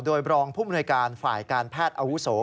โดยบรองผู้มนวยการฝ่ายการแพทย์อาวุโส